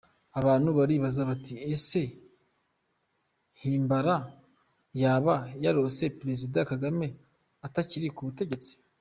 Abantu baribaza bati ese Himbara yaba yarose perezida Kagame atakiri ku butegetsi?